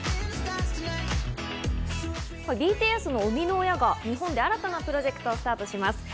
ＢＴＳの生みの親が日本で新たなプロジェクトをスタートします。